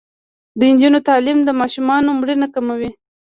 د نجونو تعلیم د ماشومانو مړینه کموي.